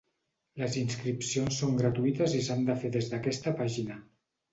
Les inscripcions són gratuïtes i s’han de fer des d’aquesta pàgina.